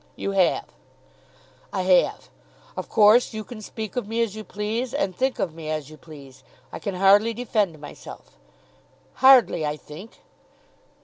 "You have?" "I have. Of course, you can speak of me as you please and think of me as you please. I can hardly defend myself." "Hardly, I think."